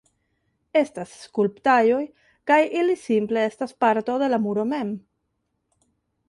Estas skulptaĵoj kaj ili simple estas parto de la muro mem